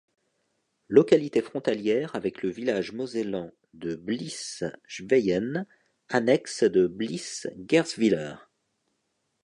Localité frontalière avec le village Mosellan de Blies-Schweyen, annexe de Blies-Guersviller.